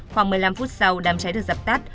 khoảng một mươi năm phút sau đám cháy được dập tắt